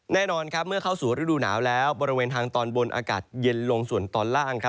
แน่นอนครับเมื่อเข้าสู่ฤดูหนาวแล้วบริเวณทางตอนบนอากาศเย็นลงส่วนตอนล่าง